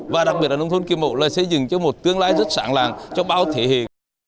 và đặc biệt là nông thôn kiều mộ là xây dựng cho một tương lai rất sẵn làng trong bao thế hệ